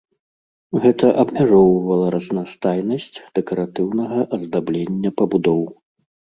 Гэта абмяжоўвала разнастайнасць дэкаратыўнага аздаблення пабудоў.